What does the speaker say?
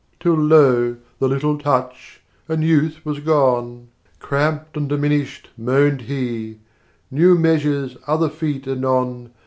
Till lo, the little touch, and youth was gone! Cramped and diminished, Moaned he, "New measures, other feet anon!